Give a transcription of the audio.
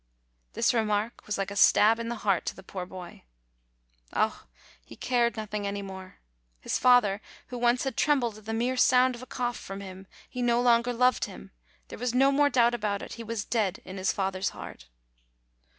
This remark was like a stab in the heart to the poor boy. Ah! he cared nothing any more. His father, who once had trembled at the mere sound of a cough from him! He no longer loved him; there was no more doubt about it; he was dead in his father's heart.